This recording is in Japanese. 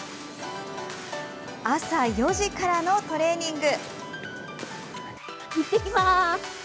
朝４時からのトレーニング。